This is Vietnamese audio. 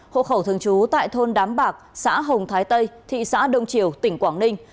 hộ khẩu thường trú tại thôn đám bạc xã hồng thái tây thị xã đông triều tỉnh quảng ninh